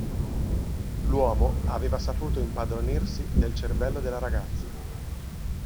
L'uomo, aveva saputo impadronirsi del cervello della ragazza.